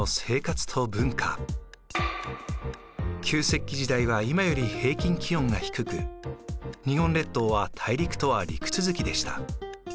旧石器時代は今より平均気温が低く日本列島は大陸とは陸続きでした。